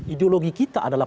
ideologi kita adalah